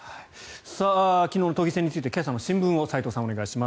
昨日の都議選について今朝の新聞を斎藤さん、お願いします。